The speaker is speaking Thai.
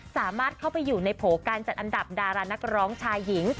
สามารถเข้าไปอยู่ในโผล่การจัดอันดับดารานักร้องชายหญิง